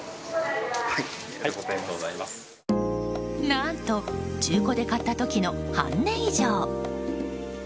何と、中古で買った時の半値以上。